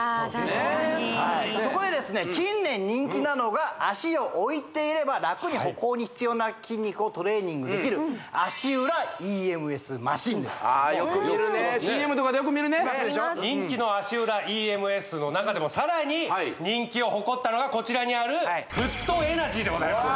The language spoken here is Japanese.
確かにそこでですね近年人気なのが足を置いていれば楽に歩行に必要な筋肉をトレーニングできるあーよく見るね人気の足裏ＥＭＳの中でもさらに人気を誇ったのがこちらにあるフットエナジーでございます